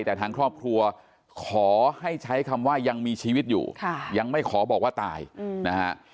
แต่ทางครอบครัวขอให้ใช้คำว่ายังมีชีวิตอยู่ยังไม่ขอบอกว่าตายนะฮะ